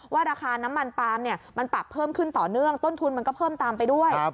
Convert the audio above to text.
ราคาน้ำมันปาล์มมันปรับเพิ่มขึ้นต่อเนื่องต้นทุนมันก็เพิ่มตามไปด้วย